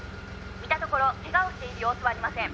「見たところケガをしている様子はありません」